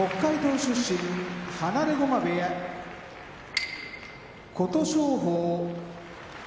出身放駒部屋琴勝峰